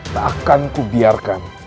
takkan ku biarkan